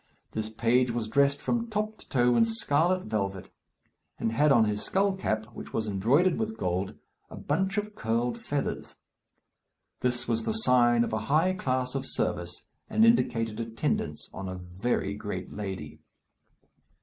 This page was dressed from top to toe in scarlet velvet, and had on his skull cap, which was embroidered with gold, a bunch of curled feathers. This was the sign of a high class of service, and indicated attendance on a very great lady.